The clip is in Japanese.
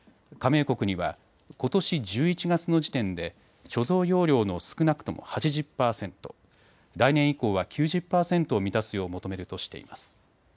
加盟国にはことし１１月の時点で貯蔵容量の少なくとも８０％、来年以降は９０％を満たすよう求めるとしています。